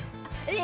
え！